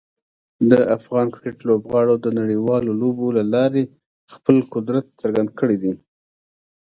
د افغان کرکټ لوبغاړو د نړیوالو لوبو له لارې خپل قدرت څرګند کړی دی.